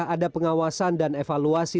untuk melakukan pengawasan dan evaluasi